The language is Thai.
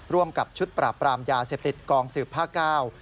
ร่วมกับชุดปราบปรามยาเสพติดกองสืบภาคเก้า